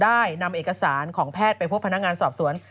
ได้นำเอกสารของแพทย์ไปพบพนักงานสอบสวน